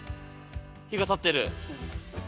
火が立ってる。